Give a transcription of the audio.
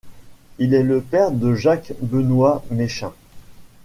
Il est le père de Jacques Benoist-Méchin.